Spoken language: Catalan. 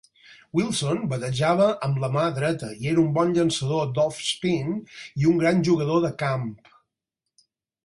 Wilson batejava amb la mà dreta i era un bon llançador d'off-spin i un gran jugador de camp.